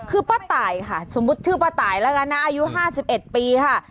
คือป้าตายค่ะสมมุติชื่อป้าตายแล้วกันนะอายุ๕๑ปีค่ะ